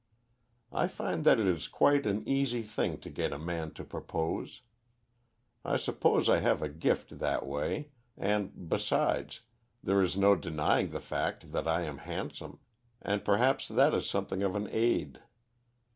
I find that it is quite an easy thing to get a man to propose. I suppose I have a gift that way, and, besides, there is no denying the fact that I am handsome, and perhaps that is something of an aid.